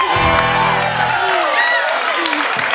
ก็คือร้องให้เหมือนเพลงเมื่อสักครู่นี้